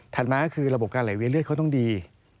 มาคือระบบการไหลเวียนเลือดเขาต้องดี